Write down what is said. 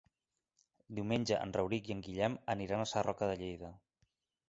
Diumenge en Rauric i en Guillem aniran a Sarroca de Lleida.